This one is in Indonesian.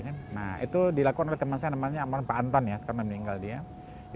kan nah itu dilakukan oleh teman saya namanya almarhum pak anton ya sekarang meninggal dia ya